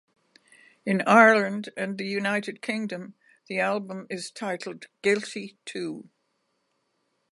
In Ireland and the United Kingdom, the album is titled Guilty Too.